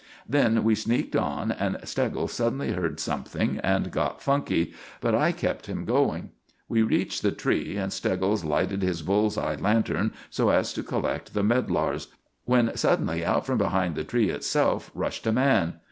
Then we sneaked on, and Steggles suddenly heard something and got funky, but I kept him going. We reached the tree and Steggles lighted his bull's eye lantern, so as to collect the medlars, when suddenly out from behind the tree itself rushed a man.